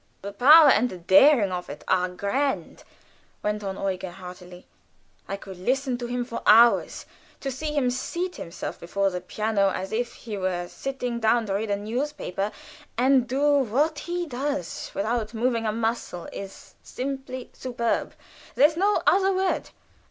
"The power and the daring of it are grand," went on Eugen, heartily. "I could listen to him for hours. To see him seat himself before the piano, as if he were sitting down to read a newspaper, and do what he does, without moving a muscle, is simply superb there's no other word.